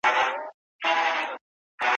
که استاد مرسته وکړي څېړنه به اسانه سي.